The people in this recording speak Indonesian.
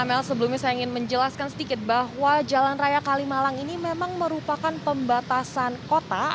adalah p fev u supreme multimedia yang dimulai dari kegiatan jalan raya atau jalan raya kalimalang ini ke vendek ke kota antar acknowledge dan memeber kota pant sexual desa unised